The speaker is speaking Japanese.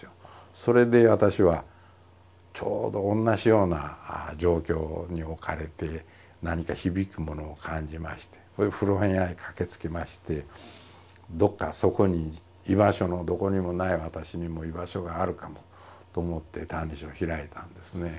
それで私はちょうど同じような状況に置かれて何か響くものを感じまして古本屋へ駆けつけましてどっかそこに居場所のどこにもない私にも居場所があるかもと思って「歎異抄」を開いたんですね。